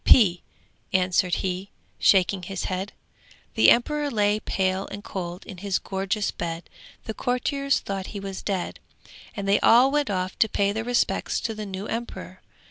'P,' answered he, shaking his head. The emperor lay pale and cold in his gorgeous bed, the courtiers thought he was dead, and they all went off to pay their respects to their new emperor.